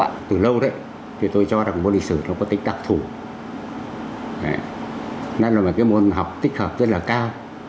ạ từ lâu đấy thì tôi cho rằng môn lịch sử nó có tính đặc thủ nên là cái môn học tích hợp rất là cao